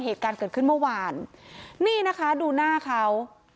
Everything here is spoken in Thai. เหตุการณ์เกิดขึ้นเมื่อวานนี่นะคะดูหน้าเขา